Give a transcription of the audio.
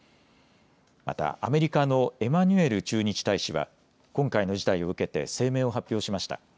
またアメリカのエマニュエル駐日大使は今回の事態を受けて声明を発表しました。